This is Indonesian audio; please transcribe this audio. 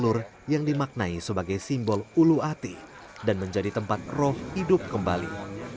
dan di antaranya ada telur yang dimaknai sebagai simbol ulu ati dan menjadi tempat roh hidup kembali